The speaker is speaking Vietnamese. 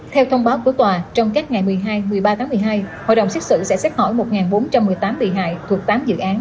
theo thông báo của tòa trong các ngày một mươi hai một mươi ba tháng một mươi hai hội đồng xét xử sẽ xét hỏi một bốn trăm một mươi tám bị hại thuộc tám dự án